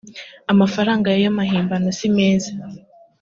amafaranga y amahimbano simeza